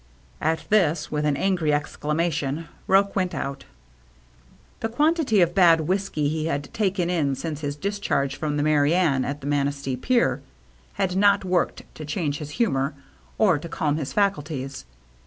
At this, with an angry exclamation, Roche went out. The quantity of bad whiskey he had taken in since his discharge from the Merry Anne at the Manistee pier, had not worked to change his humor or to calm his faculties.